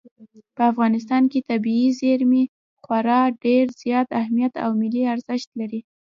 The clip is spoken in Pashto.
په افغانستان کې طبیعي زیرمې خورا ډېر زیات اهمیت او ملي ارزښت لري.